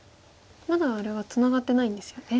まだあれはツナがってないんですよね。